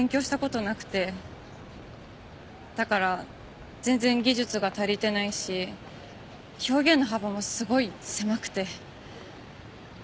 だから全然技術が足りてないし表現の幅もすごい狭くて。